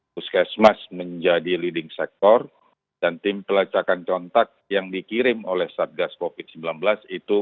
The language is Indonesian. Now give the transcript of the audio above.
puskesmas menjadi leading sector dan tim pelacakan kontak yang dikirim oleh satgas covid sembilan belas itu